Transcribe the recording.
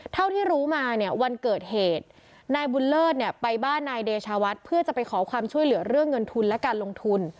เท่าที่รู้มาเนี่ยวันเกิดเหตุนายบุญเลิศเนี่ยไปบ้านนายเดชาวัดเพื่อจะไปขอความช่วยเหลือเรื่องเงินทุนและการลงทุน